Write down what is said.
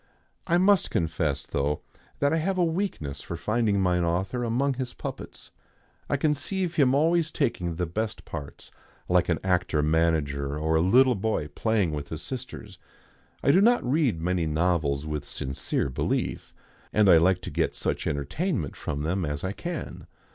I must confess, though, that I have a weakness for finding mine author among his puppets. I conceive him always taking the best parts, like an actor manager or a little boy playing with his sisters. I do not read many novels with sincere belief, and I like to get such entertainment from them as I can.